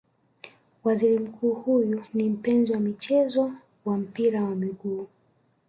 Waziri Mkuu huyu ni mpenzi wa mchezo wa mpira wa miguu